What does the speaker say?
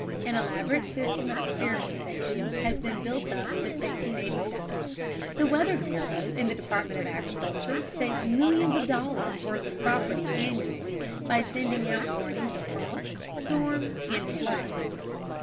An elaborate system of experiment stations has been built up since 1887. The Weather Bureau in the Department of Agriculture saves millions of dollars' worth of property annually by sending out warnings of frost, storm, and flood.